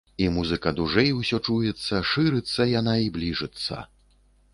І музыка дужэй усё чуецца, шырыцца яна і бліжыцца.